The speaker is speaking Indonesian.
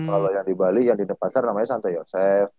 kalau yang di bali yang di denpasar namanya santo yosef